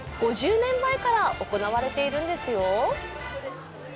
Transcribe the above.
５０年前から行われているんですよ。